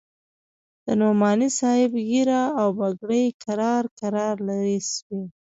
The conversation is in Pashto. د نعماني صاحب ږيره او پګړۍ کرار کرار لرې سوې.